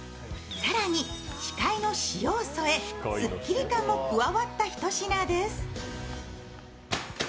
更に死海の塩を加え、すっきり感も加わったひと品です。